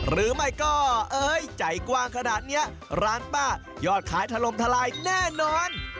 หรือไม่ก็เอ้ยใจกว้างขนาดนี้ร้านป้ายอดขายถล่มทลายแน่นอน